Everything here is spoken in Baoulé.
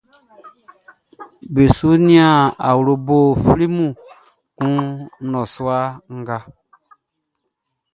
Be su nian awlobo flimu kun kɔnguɛ nga.